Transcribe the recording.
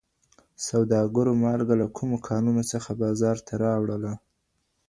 سوداګرو مالګه له کومو کانونو څخه بازار ته راوړله؟